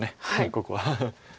ここは。